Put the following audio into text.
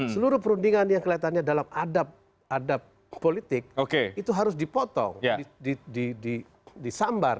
seluruh perundingan yang kelihatannya dalam adab adab politik itu harus dipotong disambar